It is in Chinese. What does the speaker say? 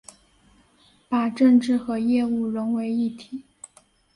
把政治和业务融为一体